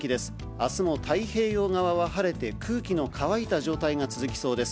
あすも太平洋側は晴れて、空気の乾いた状態が続きそうです。